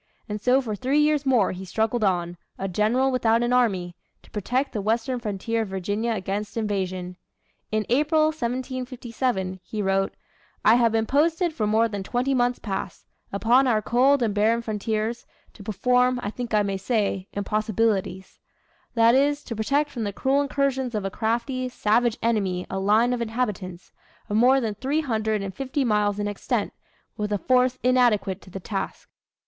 And so for three years more he struggled on, a general without an army, to protect the western frontier of Virginia against invasion. In April, 1757, he wrote: "I have been posted for more than twenty months past, upon our cold and barren frontiers, to perform, I think I may say, impossibilities; that is, to protect from the cruel incursions of a crafty, savage enemy a line of inhabitants, of more than three hundred and fifty miles in extent, with a force inadequate to the task."